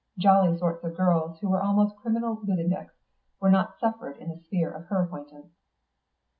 Jolly sorts of girls who were also criminal lunatics were not suffered in the sphere of her acquaintance.